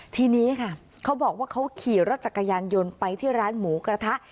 ทีนี้ค่ะเขาบอกว่าเขาขี่รถจักรยานยนต์ไปที่ร้านหมูกระทะ